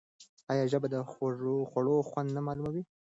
آیا ژبه د خوړو خوند نه معلوموي؟